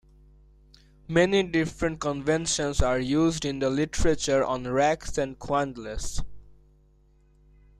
Many different conventions are used in the literature on racks and quandles.